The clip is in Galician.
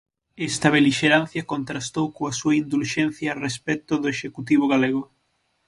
Esta belixerancia contrastou coa súa indulxencia a respecto do Executivo galego.